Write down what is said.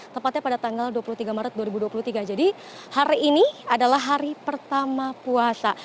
tepatnya pada tanggal dua puluh tiga maret dua ribu dua puluh tiga jadi hari ini adalah hari pertama puasa